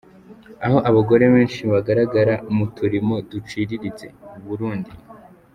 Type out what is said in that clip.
Aho abagore benshi bagaragara mu turimo duciriritse : Burundi.